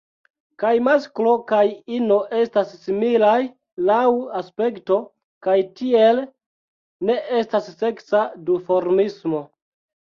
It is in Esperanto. Kaj masklo kaj ino estas similaj laŭ aspekto, kaj tiele ne estas seksa duformismo.